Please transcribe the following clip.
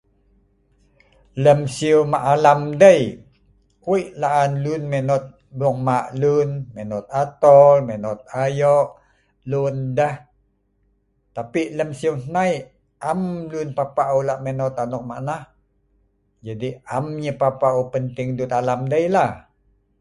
Lem sieu ma alam dei, wei laan luen menot buong maq luen menot atool, menot ayoq luen deeh tapi lem sieu hnai am luen papah eu la’ menot anok maq nah jadi am yeh penting eu duet alam dei la